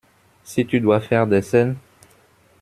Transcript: Si tu dois faire des scènes…